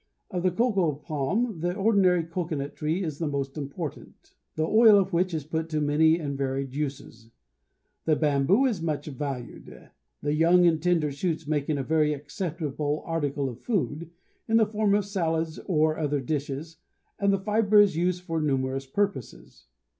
Of the cocoa palms the ordinary cocoanut tree is the most important, the oil of which is put to many and varied uses. The bamboo is much valued, the young and tender shoots making a very acceptable article of food, in the form of salads and other dishes, and the fibre is used for numerous purposes.